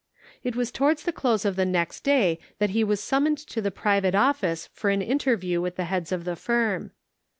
It was towards the close of the next day that he was summoned to the private office for an interview with the heads of the firm.